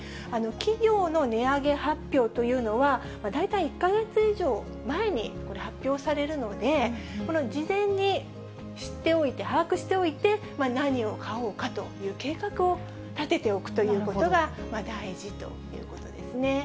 企業の値上げ発表というのは、大体１か月以上前に発表されるので、事前に知っておいて、把握しておいて、何を買おうかという計画を立てておくということが大事ということですね。